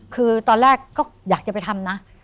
คือตอนแรกก็อยากจะไปทำนะ